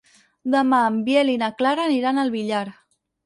Demà en Biel i na Clara aniran al Villar.